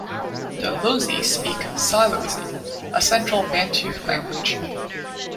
The Lozi speak Silozi, a central Bantu language.